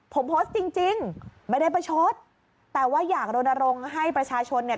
ผมโพสต์จริงจริงไม่ได้ประชดแต่ว่าอยากรณรงค์ให้ประชาชนเนี่ย